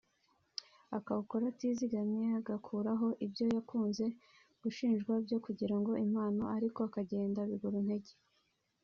akawukora atizigamye agakuraho ibyo yakunze gushinjwa byo kugira impano ariko akagenda biguru ntege